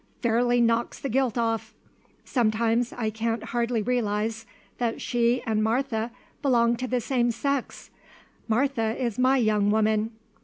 Fairly knocks the gilt off. Sometimes I can't hardly realize that she and Martha belong to the same sex. Martha is my young woman."